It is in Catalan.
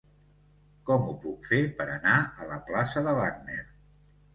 Com ho puc fer per anar a la plaça de Wagner?